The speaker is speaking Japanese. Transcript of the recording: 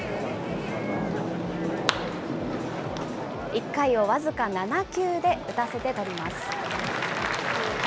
１回を僅か７球で打たせて取ります。